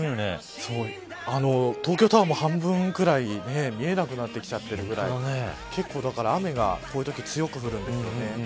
東京タワーも半分ぐらい見えなくなってきちゃってるぐらい結構、だから雨がこういうとき強く降るんですよね。